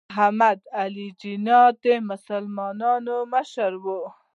محمد علي جناح د مسلمانانو مشر و.